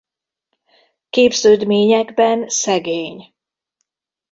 Képződményekben szegény.